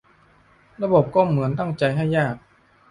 ระบบก็เหมือนตั้งใจให้ยาก